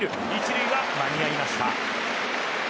１塁は間に合いました。